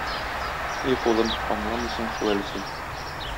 Их, улым, аңламыйсың шул әле син.